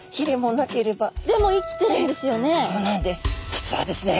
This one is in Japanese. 実はですね